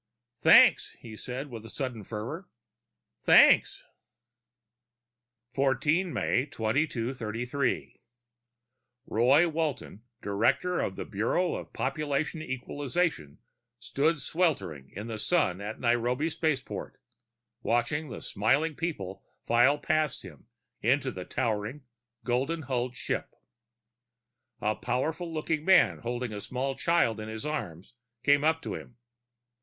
"Thanks," he said with sudden fervor. "Thanks!" 14 May 2233.... Roy Walton, director of the Bureau of Population Equalization, stood sweltering in the sun at Nairobi Spaceport, watching the smiling people file past him into the towering, golden hulled ship. A powerful looking man holding a small child in his arms came up to him.